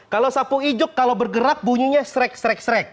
kalau sapu ijuk kalau bergerak bunyinya serek srek srek